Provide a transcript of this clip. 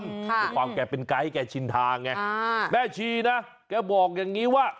คือความแกเป็นไกร์ให้แกชินทางไงแม่ชีนะแกบอกอย่างนี้ว่า